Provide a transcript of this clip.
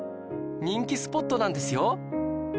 人気スポットなんですよ